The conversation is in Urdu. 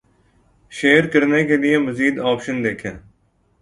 شیئر کرنے کے لیے مزید آپشن دیکھ„یں